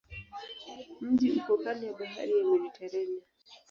Mji uko kando ya bahari ya Mediteranea.